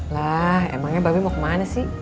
lah emangnya babi mau kemana sih